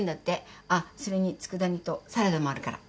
あっそれに佃煮とサラダもあるから。